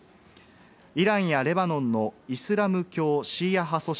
イランやレバノンのイスラム教シーア派組織